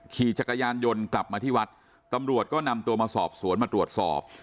ขี่จักรยานยนต์กลับมาที่วัดตำรวจก็นำตัวมาสอบสวนมาตรวจสอบ